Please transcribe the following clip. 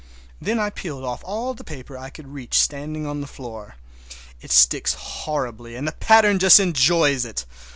Then I peeled off all the paper I could reach standing on the floor. It sticks horribly and the pattern just enjoys it!